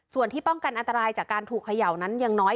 ส่วนที่ป้องกันอันตรายจากการถูกเขย่านั้นยังน้อย